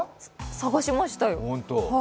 探しましたよ。